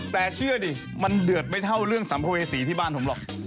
แต่เชื่อดิมันเดือดไม่เท่าเรื่องสัมภเวษีที่บ้านผมหรอก